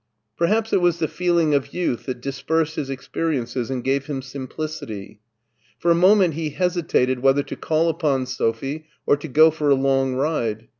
Perhaps it was the feeling of youth that dis persed his experiences and gave him simplicity. For a moment he hesitated whether to call upon Sophie or to go for a long ride.